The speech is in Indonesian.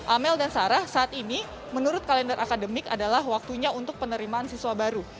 amel dan sarah saat ini menurut kalender akademik adalah waktunya untuk penerimaan siswa baru